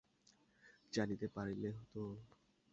জানিতে পারিলে তো?